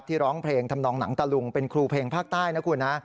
ร้องเพลงทำนองหนังตะลุงเป็นครูเพลงภาคใต้นะคุณนะ